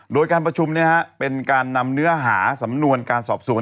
โดยการประชุมเป็นการนำเนื้อหาสำนวนการสอบสวน